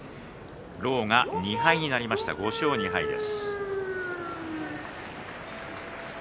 狼雅が２敗となりました５勝２敗です。